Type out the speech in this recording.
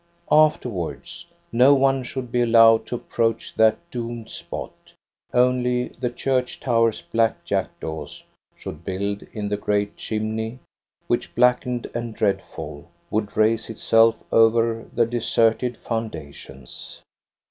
Afterwards no one should be allowed to approach that doomed spot; only the church tower's black jackdaws should build in the great chimney, which, blackened a^ld dreadful, would raise itself over the deserted founda tions.